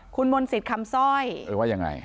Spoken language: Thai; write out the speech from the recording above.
คุณมนศิษย์คำซ่อยว่ายังไง